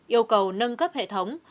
yêu cầu nâng cấp hệ thống